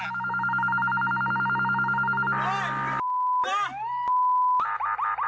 ไปพี่